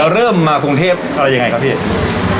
เริ่มมากรุงเทพอะไรยังไงครับพี่